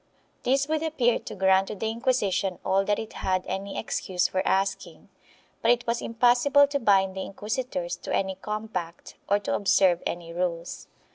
1 This would appear to grant to the Inquisition all that it had any excuse for asking, but it was impossible to bind the inquisi tors to any compact, or to observe any rules.